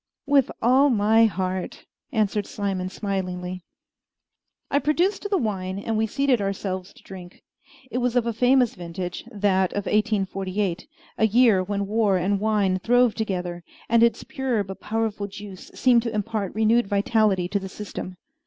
"With all my heart," answered Simon smilingly. I produced the wine and we seated ourselves to drink. It was of a famous vintage, that of 1848, a year when war and wine throve together, and its pure but powerful juice seemed to impart renewed vitality to the system.